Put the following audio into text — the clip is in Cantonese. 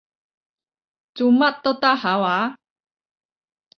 做乜都得下話？